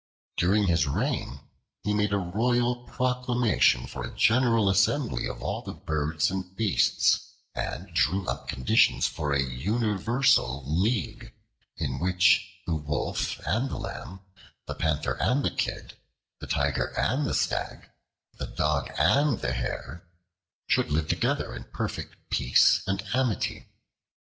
During his reign he made a royal proclamation for a general assembly of all the birds and beasts, and drew up conditions for a universal league, in which the Wolf and the Lamb, the Panther and the Kid, the Tiger and the Stag, the Dog and the Hare, should live together in perfect peace and amity.